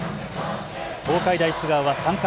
東海大菅生は３回、